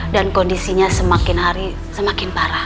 dan kondisinya semakin hari semakin parah